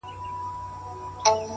هره ورځ د نوې بدلون پیل کېدای شي!